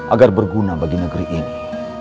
agar berguna bagi negeri ini